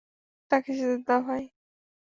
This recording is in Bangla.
তাকে যেতে দাও, ভাই।